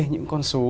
những con số